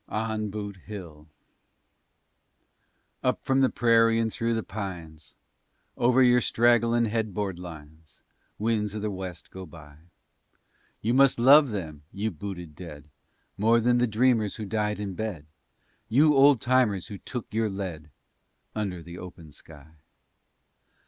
ON BOOT HILL Up from the prairie and through the pines, Over your straggling headboard lines Winds of the West go by. You must love them, you booted dead, More than the dreamers who died in bed You old timers who took your lead Under the open sky!